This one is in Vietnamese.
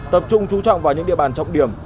tập trung trú trọng vào những địa bàn trọng điểm